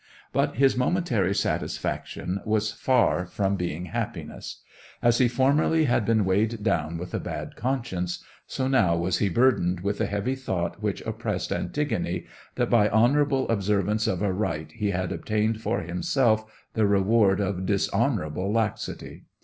But his momentary satisfaction was far from being happiness. As he formerly had been weighted with a bad conscience, so now was he burdened with the heavy thought which oppressed Antigone, that by honourable observance of a rite he had obtained for himself the reward of dishonourable laxity.